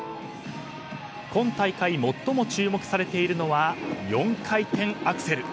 今大会、最も注目されているのは４回転アクセル。